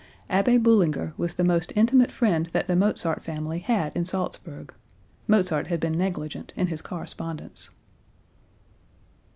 Abbe Bullinger was the most intimate friend that the Mozart family had in Salzburg. Mozart had been negligent in his correspondence.)